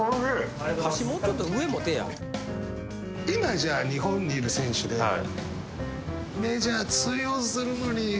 今じゃあ日本にいる選手でメジャー通用するのに。